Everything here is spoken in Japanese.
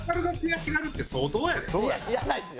いや知らないですよ。